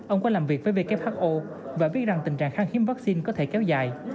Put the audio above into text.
ông có làm việc với who và biết rằng tình trạng kháng hiếm vaccine có thể kéo dài